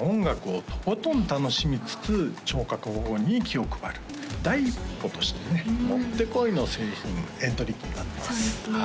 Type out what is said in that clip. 音楽をとことん楽しみつつ聴覚保護に気を配る第一歩としてねもってこいの製品エントリー機になってます